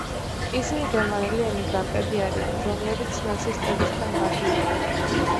ისინი გერმანელი ემიგრანტები არიან, რომლებიც ნაცისტებისგან გარბიან.